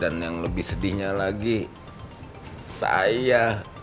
dan yang lebih sedihnya lagi saya